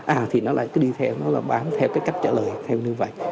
à thì nó lại cứ đi theo nó là bám theo cái cách trả lời theo như vậy